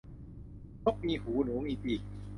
นกมีหูหนูมีปีก